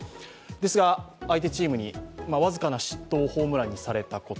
ですが相手チームに僅かの失投をホームランにされたこと。